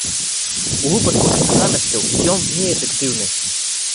У выпадку нечаканасцяў, ён неэфектыўны.